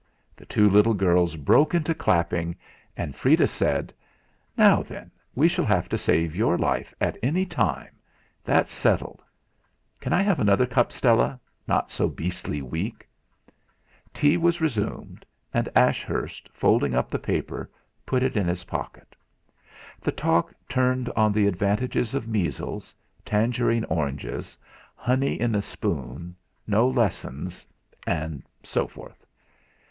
The two little girls broke into clapping, and Freda said: "Now, then, we shall have to save your life at any time; that's settled. Can I have another cup, Stella, not so beastly weak?" Tea was resumed, and Ashurst, folding up the paper, put it in his pocket. The talk turned on the advantages of measles, tangerine oranges, honey in a spoon, no lessons, and so forth.